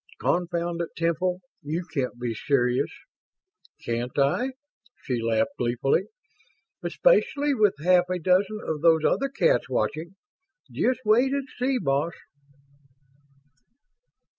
"Confound it, Temple, you can't be serious!" "Can't I?" She laughed gleefully. "Especially with half a dozen of those other cats watching? Just wait and see, boss!"